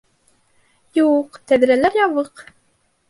Юҡ, тәҙрәләр ябыҡ.